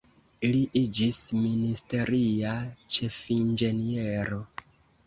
Li iĝis ministeria ĉefinĝeniero.